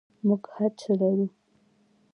موږ هر څه لرو